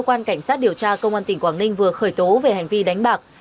cơ quan cảnh sát điều tra công an tỉnh quảng ninh vừa khởi tố về hành vi đánh bạc